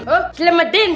huh selamat ini